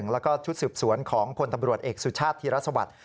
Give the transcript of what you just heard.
และชุดสืบสวนของคนตำรวจเอกสุชาติธิรัฐสวรรค์